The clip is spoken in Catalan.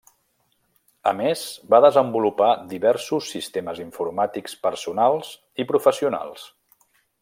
A més, va desenvolupar diversos sistemes informàtics personals i professionals.